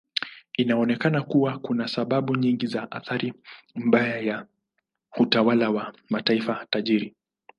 Inaonekana kuwa kuna sababu nyingi za athari mbaya ya utawala wa mataifa tajiri.